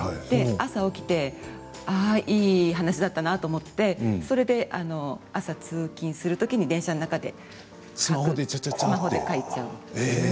で、朝起きてああ、いい話だったなと思ってそれで朝、通勤するときに電車の中でスマホで書いちゃう。